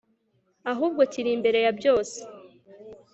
ahubwo kiri imbere ya byose